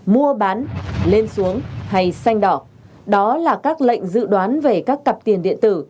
mua bán lên xuống hay xanh đỏ đó là các lệnh dự đoán về các cặp tiền điện tử